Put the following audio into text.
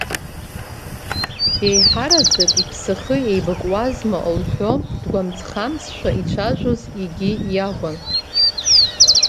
Еиҳараӡак, иԥсахы еибакуазма лҳәо, дгәамҵхамҵшәа ицәажәоз егьи иакәын.